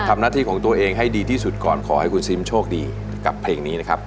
ทำหน้าที่ของตัวเองให้ดีที่สุดก่อนขอให้คุณซิมโชคดีกับเพลงนี้นะครับ